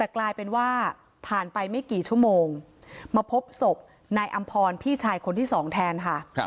แต่กลายเป็นว่าผ่านไปไม่กี่ชั่วโมงมาพบศพนายอำพรพี่ชายคนที่๒แทนค่ะ